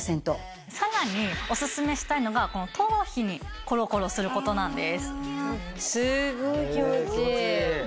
さらにオススメしたいのがこの頭皮にコロコロすることなんです。